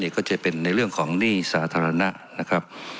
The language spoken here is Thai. ก็จะเป็นในเรื่องของหนี้สาธารณะนะครับ